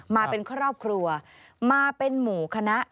มาเป็นครอบครัวมาเป็นหมู่คณะ